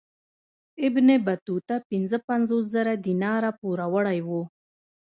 ابن بطوطه پنځه پنځوس زره دیناره پوروړی وو.